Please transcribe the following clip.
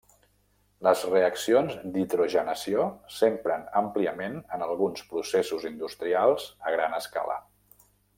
Les reaccions d'hidrogenació s'empren àmpliament en alguns processos industrials a gran escala.